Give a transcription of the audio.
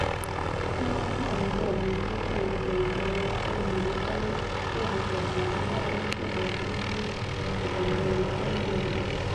克拉萨维诺农村居民点是俄罗斯联邦沃洛格达州大乌斯秋格区所属的一个农村居民点。